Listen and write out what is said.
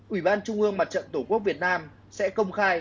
ủy ban trung ương mặt trận tổ quốc việt nam sẽ công khai